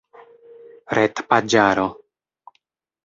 retpaĝaro